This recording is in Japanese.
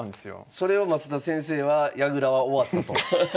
それを増田先生は矢倉は終わったと。